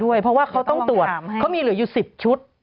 เพราะว่าเขาต้องตรวจเขามีเหลืออยู่๑๐ชุด